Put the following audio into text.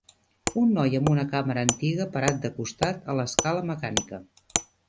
Un noi amb una càmera antiga parat de costat a l'escala mecànica.